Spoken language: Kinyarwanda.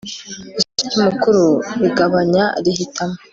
ijisho ry'umukuru rigabanya rihitamo